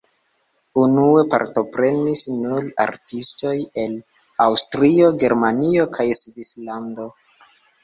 Unue partoprenis nur artistoj el Aŭstrio, Germanio kaj Svislando.